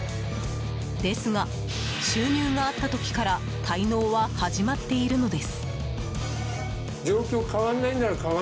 ですが、収入があった時から滞納は始まっているのです。